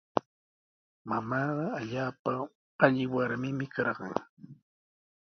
Mamaaqa allaapa alli warmimi karqan.